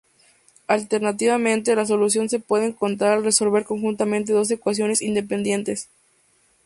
Alternativamente, la solución se puede encontrar al resolver conjuntamente dos ecuaciones independientes.